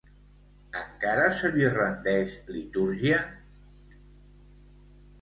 Encara se li rendeix litúrgia?